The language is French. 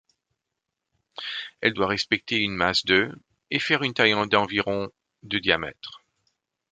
Elle doit respecter une masse de et faire une taille d'environ de diamètre.